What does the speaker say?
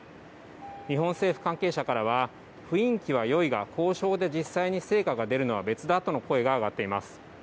日本政府関係者からは、雰囲気はよいが、交渉で実際に成果が出るのは別だとの声が上がっています。